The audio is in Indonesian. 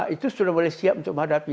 itu sudah mulai siap untuk menghadapi